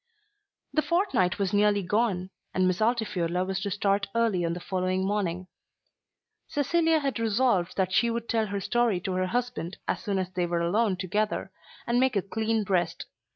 The fortnight was nearly gone, and Miss Altifiorla was to start early on the following morning. Cecilia had resolved that she would tell her story to her husband as soon as they were alone together, and make a clean breast.